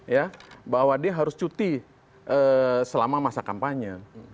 ya bahwa dia harus cuti selama masa kampanye